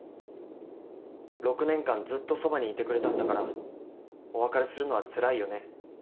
６年間ずっとそばにいてくれたんだからお別れするのはつらいよね。